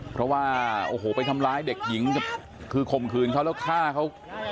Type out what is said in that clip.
เพราะว่าโอ้โหไปทำร้ายเด็กหญิงคือข่มขืนเขาแล้วฆ่าเขา